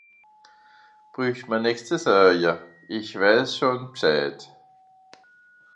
Brüch mer nix ze saje, isch weiss scho B'scheid!